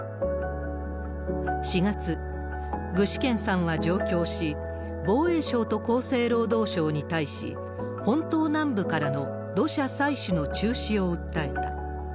４月、具志堅さんは上京し、防衛省と厚生労働省に対し、本島南部からの土砂採取の中止を訴えた。